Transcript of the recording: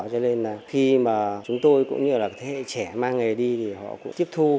cho nên là khi mà chúng tôi cũng như là thế hệ trẻ mang nghề đi thì họ cũng tiếp thu